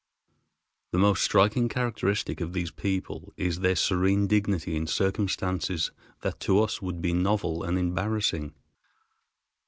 The most striking characteristic of these people is their serene dignity in circumstances that to us would be novel and embarrassing.